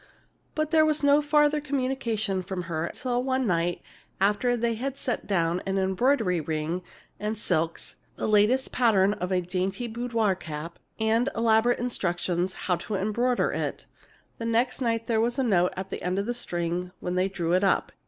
But there was no further communication from her till one night after they had sent down an embroidery ring and silks, the latest pattern of a dainty boudoir cap, and elaborate instructions how to embroider it. Next night there was a note on the end of the string when they drew it up.